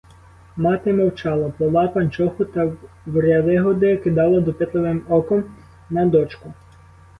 Мати мовчала, плела панчоху та вряди-годи кидала допитливим оком на дочку.